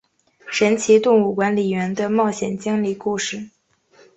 神奇动物管理员的冒险经历故事。